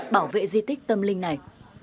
bảo vệ di tích tâm linh này